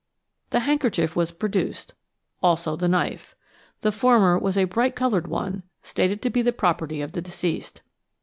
The handkerchief was produced, also the knife. The former was a bright coloured one, stated to be the property of the deceased.